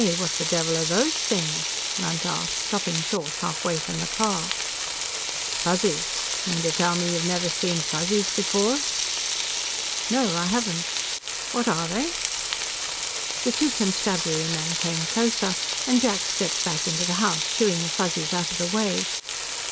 What the devil are those things?" Lunt asked, stopping short halfway from the car. "Fuzzies. Mean to tell me you've never seen Fuzzies before?" "No, I haven't. What are they?" The two Constabulary men came closer, and Jack stepped back into the house, shooing the Fuzzies out of the way.